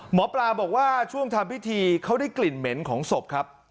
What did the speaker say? หมอปลาบอกว่าช่วงทำพิธีเขาได้กลิ่นเหม็นของศพครับ